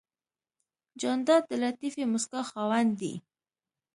جانداد د لطیفې موسکا خاوند دی.